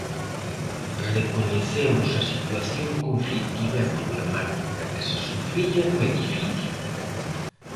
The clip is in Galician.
Recoñecemos a situación conflitiva e problemática que se sufría no edificio.